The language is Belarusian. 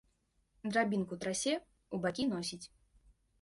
Драбінку трасе, у бакі носіць.